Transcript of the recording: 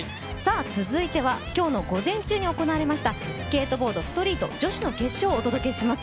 続いては今日の午前中に行われましたスケートボードストリート女子の決勝をお届けします。